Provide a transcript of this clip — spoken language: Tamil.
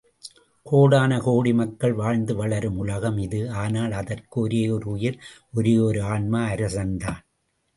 கோடானுகோடி மக்கள் வாழ்ந்து வளரும் உலகம் இது, ஆனால், அதற்கு ஒரேயொரு உயிர் ஒரேயொரு ஆன்மா, அரசன்தான்!